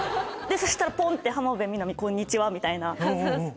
そしたらポン！って浜辺美波「こんにちは」みたいな。